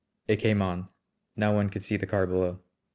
It came on. Now one could see the car below.